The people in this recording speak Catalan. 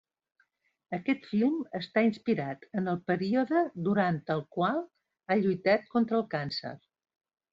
Aquest film està inspirat en el període durant el qual ha lluitat contra el càncer.